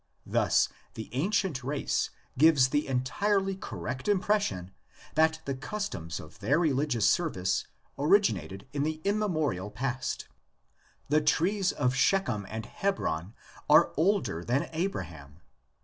Thus the ancient race gives the entirely correct impression that the customs of their religious service originated in the immemorial past: the trees of Shechem and Hebron are older than Abraham!